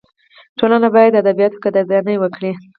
ټولنه باید د ادیبانو قدرداني وکړي.